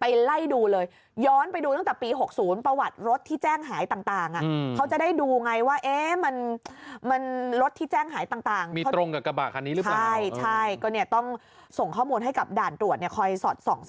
ไปไล่ดูเลยย้อนไปดูตั้งแต่ปี๖๐ประวัติรถที่แจ้งหายต่าง